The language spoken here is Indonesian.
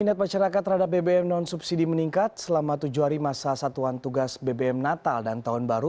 minat masyarakat terhadap bbm non subsidi meningkat selama tujuh hari masa satuan tugas bbm natal dan tahun baru